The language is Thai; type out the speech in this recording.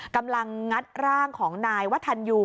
กำลังงัดร่างของนายวัตทันยู